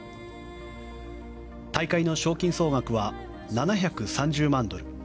大会の賞金総額は７３０万ドル